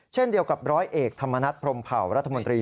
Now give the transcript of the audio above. เช่นเดียวกับร้อยเอกธรรมนัฐพรมเผารัฐมนตรี